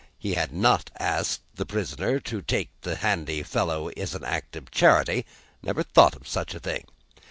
He had not asked the prisoner to take the handy fellow as an act of charity never thought of such a thing.